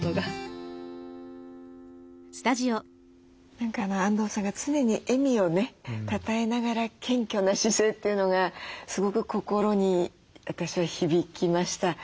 何かあんどうさんが常に笑みをねたたえながら謙虚な姿勢というのがすごく心に私は響きました。